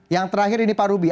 yang terakhir ini pak ruby